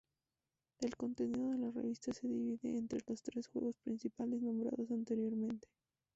El contenido de la revista se divide entre los tres juegos principales nombrados anteriormente.